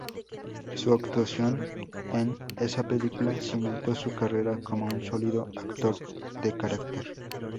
Su actuación en esa película cimentó su carrera como un sólido actor de carácter.